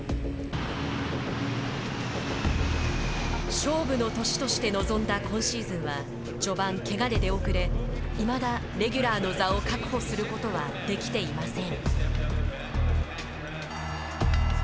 勝負の年として臨んだ今シーズンは序盤、けがで出遅れいまだレギュラーの座を確保することはできていません。